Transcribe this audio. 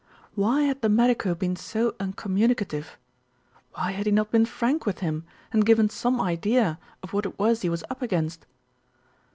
Why had the medico been so uncommunicative? Why had he not been frank with him, and given some idea of what it was he was up against?